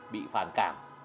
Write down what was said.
bị phản cảm